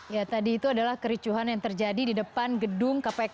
ya tadi itu adalah kericuhan yang terjadi di depan gedung kpk